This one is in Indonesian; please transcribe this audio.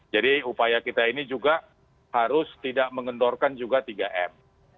jadi upaya kita ini juga harus tidak mengendorkan juga tiga m